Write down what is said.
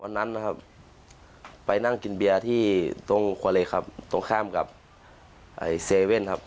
วันนั้นนะครับไปนั่งกินเบียร์ที่ตรงครัวเลครับตรงข้ามกับเซเว่นครับ